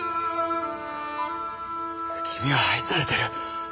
君は愛されてる。